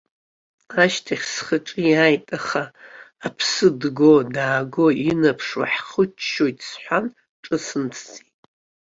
Ашьҭахь схаҿы иааит, аха аԥсы дго, дааго, инаԥшуа ҳхыччоит сҳәан, ҿысымҭӡеит.